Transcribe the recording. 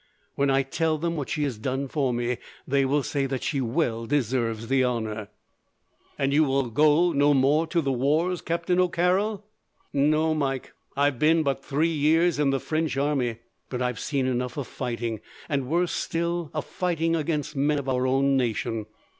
When I tell them what she has done for me, they will say that she well deserves the honour!" "And you will go no more to the wars, Captain O'Carroll?" "No, Mike. I have been but three years in the French army, but I have seen enough of fighting, and, worse still, of fighting against men of our own nation.